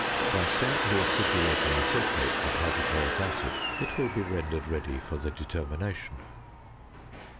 By slightly acidulating the filtrate with hydrochloric acid, it will be rendered ready for the determination.